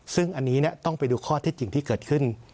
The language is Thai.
ซึ่งอันนี้ต้องไปดูข้อเท็จจริงที่เกิดขึ้น